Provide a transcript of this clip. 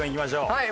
はい！